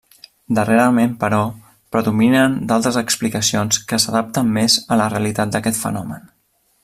Darrerament però, predominen d'altres explicacions que s'adapten més a la realitat d'aquest fenomen.